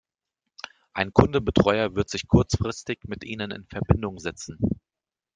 Ein Kundenbetreuer wird sich kurzfristig mit ihnen in Verbindung setzen.